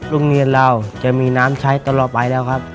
โรงเรียนเราจะมีน้ำใช้ตลอดไปแล้วครับ